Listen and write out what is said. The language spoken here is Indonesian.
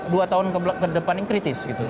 dua tahun ke depan ini kritis gitu